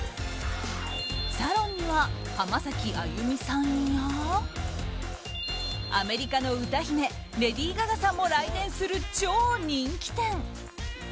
サロンには浜崎あゆみさんやアメリカの歌姫レディー・ガガさんも来店する超人気店。